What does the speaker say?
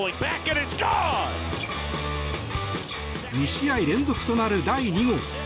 ２試合連続となる第２号。